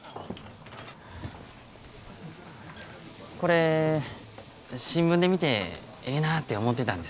これ新聞で見てええなぁて思てたんです。